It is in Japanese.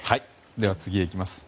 では次へ行きます。